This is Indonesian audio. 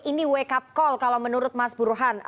ini wake up call kalau menurut mas burhan